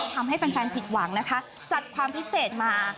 ทำให้แฟนแฟนผิดหวังจัดความพิเศษมา